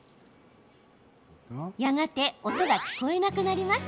やがて音が聞こえなくなります。